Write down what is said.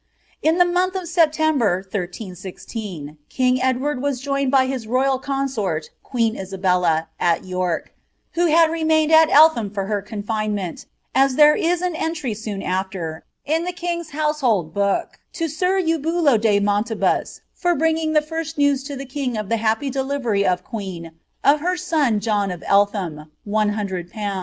In Ihe month of September, 1316, king Edward was joined bylw royal consort, queen Isabella, at York, who had remained at Elthim for her confinement, as there is an entry soon after, in the king's houMbitU book :^' To sir Eubulo de Moniibus, for bringing the first news la lb king of the happy delivery of queen of her son John of Elilium. £11^."